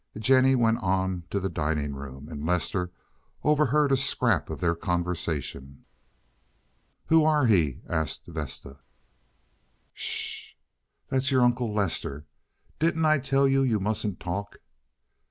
Jennie went on to the dining room, and Lester overheard a scrap of their conversation. "Who are he?" asked Vesta. "Sh! That's your Uncle Lester. Didn't I tell you you mustn't talk?"